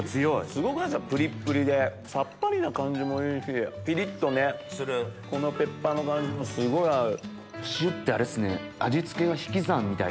すごくないっすかプリップリでさっぱりな感じもいいしピリっとねこのペッパーの感じもすごい合う。